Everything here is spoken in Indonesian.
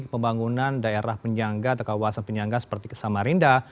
kemudian daerah penyangga atau kawasan penyangga seperti samarinda